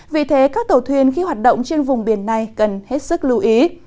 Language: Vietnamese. vì thế các tàu thuyền khi hoạt động trên vùng biển này cần hết sức lưu ý